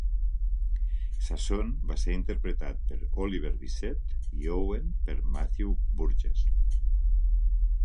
Sassoon va ser interpretat per Oliver Bisset, i Owen per Matthew Burgess.